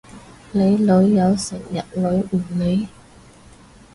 你女友成日女唔你？